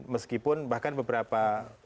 meskipun bahkan beberapa